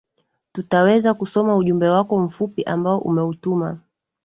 tutaweza kusoma ujumbe wako mfupi ambao umeutuma